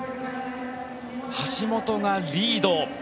橋本がリード。